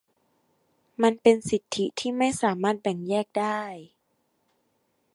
มันเป็นสิทธิที่ไม่สามารถแบ่งแยกได้